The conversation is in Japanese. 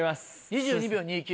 ２２秒２９。